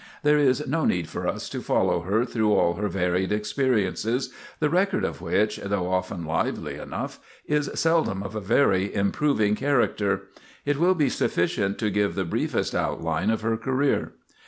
There is no need for us to follow her through all her varied experiences, the record of which, though often lively enough, is seldom of a very improving character. It will be sufficient to give the briefest outline of her career.